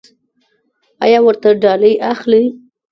ایا ورته ډالۍ اخلئ؟